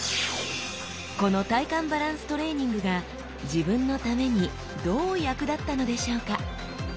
この体幹バランストレーニングが自分のためにどう役立ったのでしょうか？